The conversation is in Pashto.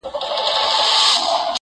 مُلا سړی سو؛ اوس پر لاره د آدم راغلی؛